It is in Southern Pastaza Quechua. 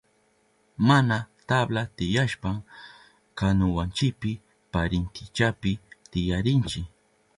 Mana tabla tiyashpan kanuwanchipi parintillapi tiyarinchi.